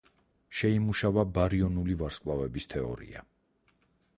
შეიმუშავა ბარიონული ვარსკვლავების თეორია.